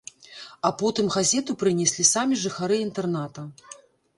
А потым газету прынеслі самі жыхары інтэрната.